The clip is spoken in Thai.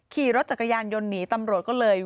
ขี่รถจักรยานยนต์หนีตำรวจก็เลย